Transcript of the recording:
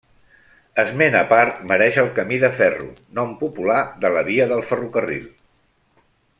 Esment a part mereix el Camí de Ferro, nom popular de la via del ferrocarril.